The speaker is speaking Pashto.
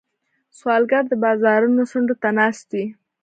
سوالګر د بازارونو څنډو ته ناست وي